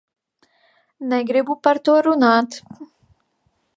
Negribu par to runāt.